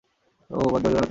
ওহ, বদদোয়া দিয়ো না তো।